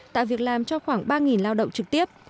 tạo việc làm cho khoảng ba lao động trực tiếp